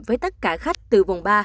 với tất cả khách từ vùng ba